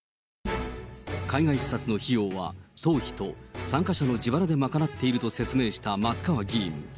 海外視察の費用は、党費と参加者の自腹で賄っていると説明した松川議員。